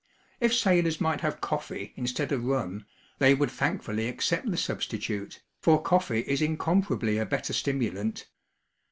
If sailors might have coffee instead of rum, they would thankfully accept the substitute, for coffee is incomparably a better stimulant.